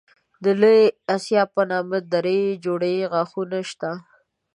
د لوی آسیاب په نامه دری جوړې غاښونه شته.